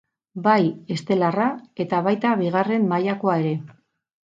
Bai estelarra eta baita bigarren mailakoa ere.